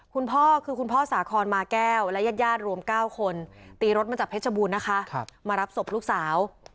คุณพ่อคือคุณพ่อสาคอนมาแก้วและญาติญาติรวม๙คนตีรถมาจากเพชรบูรณ์นะคะมารับศพลูกสาว